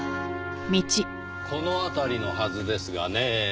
この辺りのはずですがねぇ。